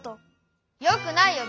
よくないよ。